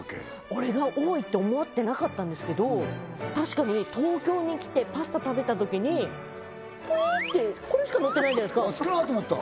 あれが多いって思ってなかったんですけど確かに東京に来てパスタ食べた時にクイーってこれしかのってないじゃないですかあっ少なっと思った？